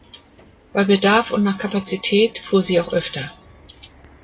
Bei Bedarf und nach Kapazität fuhr sie auch öfter.